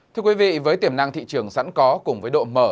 thưa quý vị với tiềm năng thị trường sẵn có cùng với độ mở